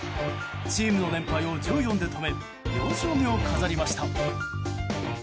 チームの連敗を１４で止め４勝目を飾りました。